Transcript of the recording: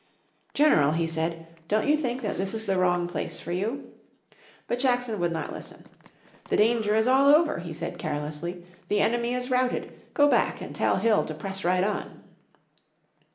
"General," he said, "don't you think that this is the wrong place for you?' But Jackson would not listen. "The danger is all over," he said carelessly. "The enemy is routed. Go back and tell Hill to press right on."